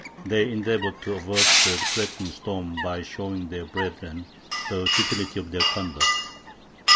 They endeavoured to avert the threatening storm by showing their brethren the futility of their conduct.